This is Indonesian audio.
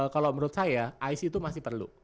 kalau menurut saya isi itu masih perlu